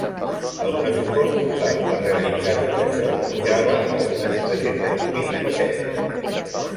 El pressupost total per realitzar tot això pujava a unes tres-centes mil pessetes.